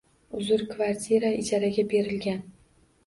Uzr, kvartira ijaraga berilgan.